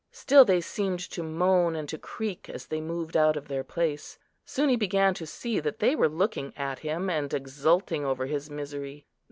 Still they seemed to moan and to creak as they moved out of their place. Soon he began to see that they were looking at him, and exulting over his misery.